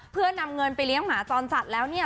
เพื่อนำเงินไปเลี้ยงหมาจรจัดแล้วเนี่ย